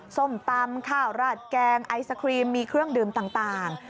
ส้มตำข้าวราดแกงไอศครีมมีเครื่องดื่มต่าง